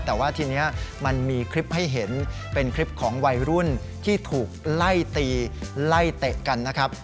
แต่ว่าทีนี้มันมีคลิปให้เห็นเป็นคลิปของวัยรุ่นที่ถูกไล่ตีไล่เตะกันนะครับ